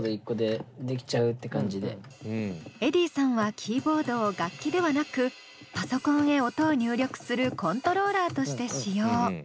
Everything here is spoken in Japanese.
ｅｄｈｉｉｉさんはキーボードを楽器ではなくパソコンへ音を入力するコントローラーとして使用。